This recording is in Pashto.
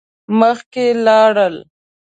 مخکی لاړل.